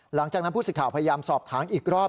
หลังจากนั้นผู้สิทธิ์พยายามสอบถามอีกรอบ